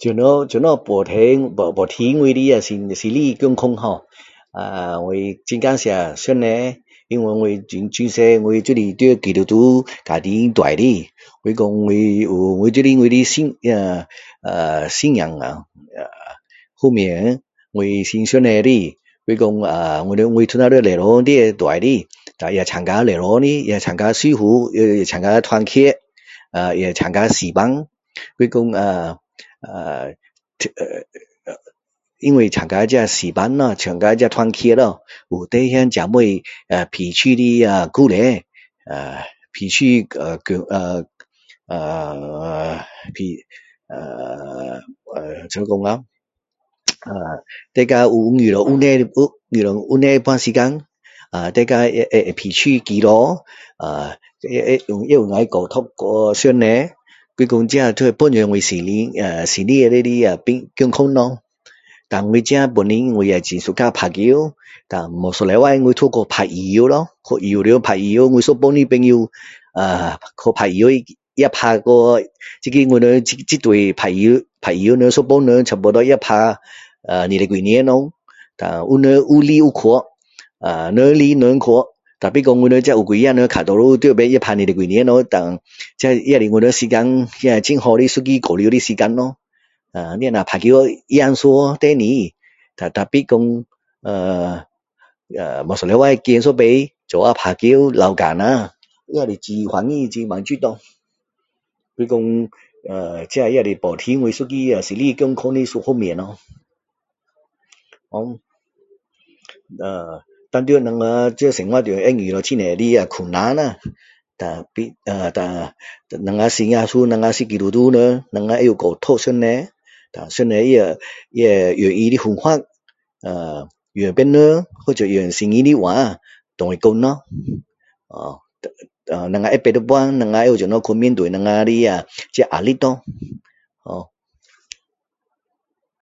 怎样怎样保持保持我的心里健康hor 呃我很感谢上帝因为自小就是在基督徒家庭大的我说我的就是因为的信仰呃信仰方面我是信上帝的我说我的我都是在礼堂里面大的也参加礼堂的也参加侍奉也参加团契也参加诗班我说呃呃呃因为参加这诗班啦参加这团契咯有弟兄姐妹呃彼此的鼓励呃彼此继续呃怎样说呀大家有问题有问题的时间呃大家呃彼此祈祷呃也可以交托给上帝所以说这都会帮忙我心灵呃心里的健康咯当我自己本身我也很suka打球单我一个星期我都有去打羽球咯我一帮的朋友呃去打羽球也打过呃我这对打羽球一帮人差不多也打呃二十多年但有人有来有去呃人来人去tapi 说我们这有几个人大多数在那边也打二十多年了咯单这也是我们时间很多的一个交流的不止是打球赢输第二tapi说呃每个星期见一面一起打球啦流汗啦也是很高兴很满足咯所以说呃这也是保持我一个心里的健康的这方面咯hor 呃当在我们在生活上会遇到很多的困难啦tapi 我们信耶稣我们是基督徒人我们会交托上帝单上帝也用他的方法呃用别人或者用圣经的话跟我说咯呃我们会知道的时候我们会懂怎样去面对我们的这压力咯